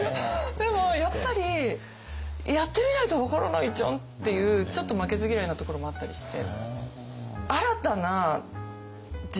でもやっぱりやってみないと分からないじゃんっていうちょっと負けず嫌いなところもあったりして。